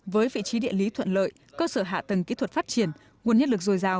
với vị trí địa lý thuận lợi cơ sở hạ tầng kỹ thuật phát triển nguồn nhân lực dồi dào